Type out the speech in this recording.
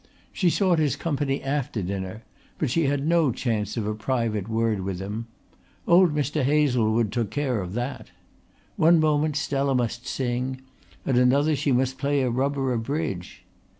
She sought his company after dinner, but she had no chance of a private word with him. Old Mr. Hazlewood took care of that. One moment Stella must sing; at another she must play a rubber of bridge.